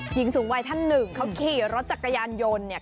หญิงสูงวัยท่านหนึ่งเขาขี่รถจักรยานยนต์เนี่ย